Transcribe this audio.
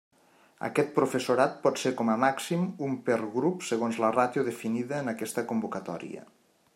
Aquest professorat pot ser com a màxim, un per grup segons la ràtio definida en aquesta convocatòria.